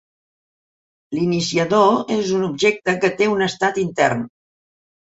L'iniciador és un objecte que té un estat intern.